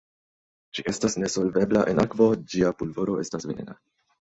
Ĝi estas nesolvebla en akvo, ĝia pulvoro estas venena.